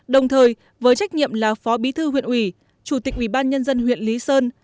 đồng thời với trách nhiệm là phó bí thư huyện ủy chủ tịch ubnd huyện lý sơn